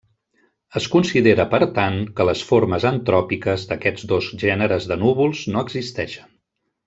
Es considera, per tant, que les formes antròpiques d'aquests dos gèneres de núvols no existeixen.